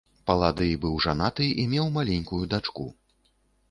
Паладый быў жанаты і меў маленькую дачку.